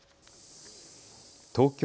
東京